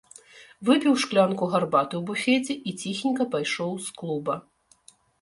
Выпіў шклянку гарбаты ў буфеце і ціхенька пайшоў з клуба.